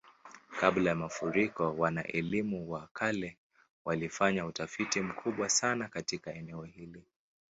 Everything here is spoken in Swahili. Kabla ya mafuriko, wana-elimu wa kale walifanya utafiti mkubwa sana katika eneo hili.